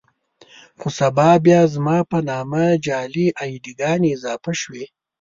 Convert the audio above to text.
خو سبا بيا زما په نامه جعلي اې ډي ګانې اضافه شوې.